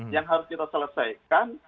yang harus kita selesaikan